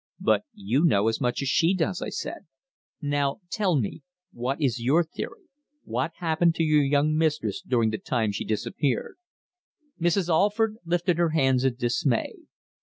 "But you know as much as she does," I said. "Now tell me what is your theory? What happened to your young mistress during the time she disappeared?" Mrs. Alford lifted her hands in dismay.